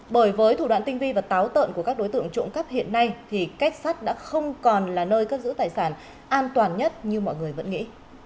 bởi với thủ đoạn tinh vi và táo tợn của các đối tượng trộm cắp hiện nay thì kết sắt đã không còn là nơi cất giữ tài sản an toàn nhất như mọi người vẫn nghĩ